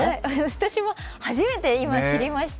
私も初めて今、知りました。